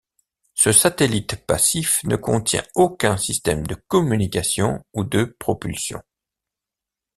Ce satellite passif ne contient aucun système de communication ou de propulsion.